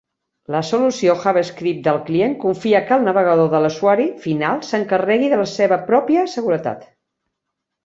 La solució JavaScript del client confia que el navegador de l'usuari final s'encarregui de la seva pròpia seguretat.